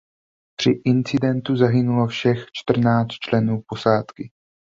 Při incidentu zahynulo všech čtrnáct členů posádky.